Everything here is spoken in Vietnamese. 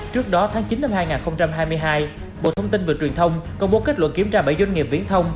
trước đó tháng chín năm hai nghìn hai mươi hai bộ thông tin và truyền thông công bố kết luận kiểm tra bảy doanh nghiệp viễn thông